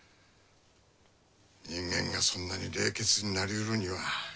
人間がそんなに冷血になりうるには。